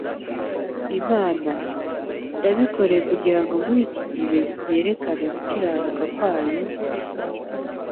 Imana « yabikoreye kugira ngo muri iki gibe yerekane gukiranuka kwayo,